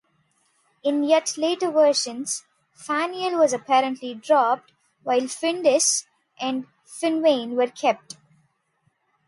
In yet later versions, Faniel was apparently dropped, while Findis and Finvain were kept.